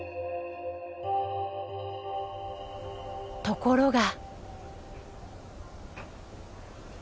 ところが。